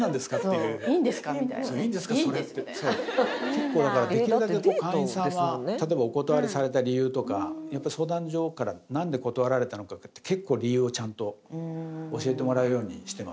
結構だからできるだけこう会員さんが例えばお断りされた理由とかやっぱ相談所から何で断られたのかって結構理由をちゃんと教えてもらうようにしてます